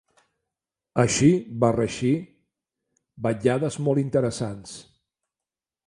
Així va reeixir vetllades molt interessants.